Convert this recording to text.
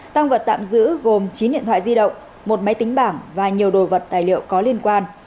tăng vật tạm giữ gồm chín điện thoại di động một máy tính bảng và nhiều đồ vật tài liệu có liên quan